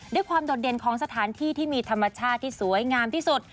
โดดเด่นของสถานที่ที่มีธรรมชาติที่สวยงามที่สุด